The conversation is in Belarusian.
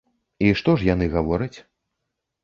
І што ж яны гавораць?